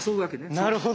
なるほど。